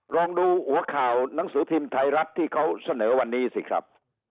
ลองดูหัวข่าวหนังสือพิมพ์ไทยรัฐที่เขาเสนอวันนี้สิครับ